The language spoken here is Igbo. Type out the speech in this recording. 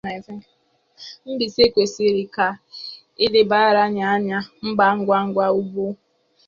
mbize kwesiri ka e lebàra ya anya mgwamgwa ugbua